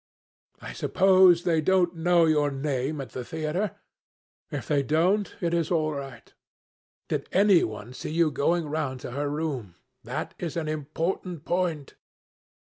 I suppose they don't know your name at the theatre? If they don't, it is all right. Did any one see you going round to her room? That is an important point."